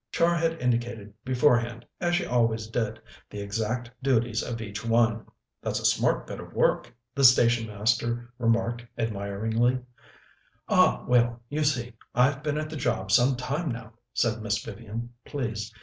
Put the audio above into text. Char had indicated beforehand, as she always did, the exact duties of each one. "That's a smart bit of work," the station master remarked admiringly. "Ah, well, you see, I've been at the job some time now," said Miss Vivian, pleased.